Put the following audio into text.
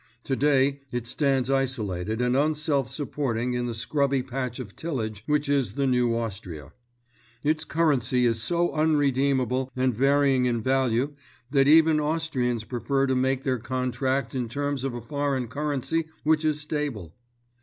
Today it stands isolated and unself supporting in the scrubby patch of tillage which is the new Austria. Its currency is so unredeemable and varying in value that even Austrians prefer to make their contracts in terms of a foreign currency which is stable.